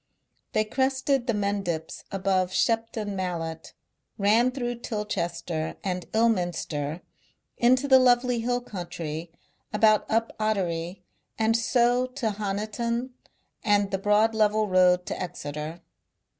They crested the Mendips above Shepton Mallet, ran through Tilchester and Ilminster into the lovely hill country about Up Ottery and so to Honiton and the broad level road to Exeter.